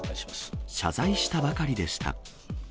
謝罪したばかりでした。